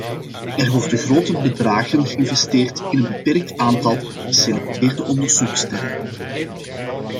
Er worden grote bedragen geïnvesteerd in een beperkt aantal, geselecteerde onderzoeksterreinen.